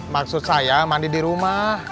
maksud saya mandi di rumah